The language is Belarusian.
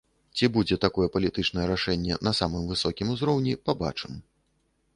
Ці будзе такое палітычнае рашэнне на самым высокім узроўні, пабачым.